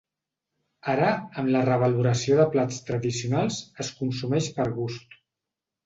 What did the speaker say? Ara, amb la revaloració de plats tradicionals, es consumeix per gust.